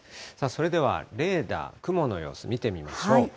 それではレーダー、雲の様子見てみましょう。